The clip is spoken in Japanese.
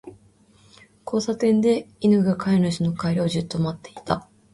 交差点で、犬が飼い主の帰りをじっと待っていた。